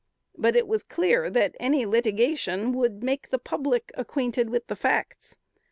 But it was clear that any litigation would make the public acquainted with the facts.